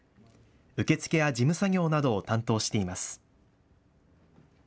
受付や事務作業などを担当しています。